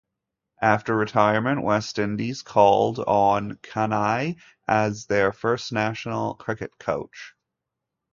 After retirement West Indies called on Kanhai as their first national cricket coach.